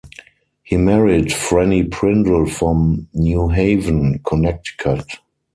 He married Franny Prindle from New Haven, Connecticut.